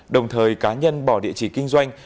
đồng thời cá nhân bỏ địa chỉ kinh doanh